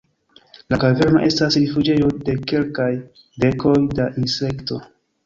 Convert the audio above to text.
La kaverno estas rifuĝejo de kelkaj dekoj da insekto.